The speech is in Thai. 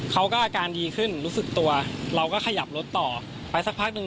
อาการดีขึ้นรู้สึกตัวเราก็ขยับรถต่อไปสักพักหนึ่ง